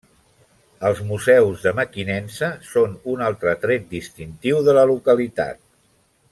Els Museus de Mequinensa són un altre tret distintiu de la localitat.